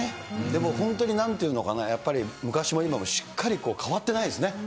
でも本当になんていうのかな、やっぱり昔も今もしっかり変わってないですね。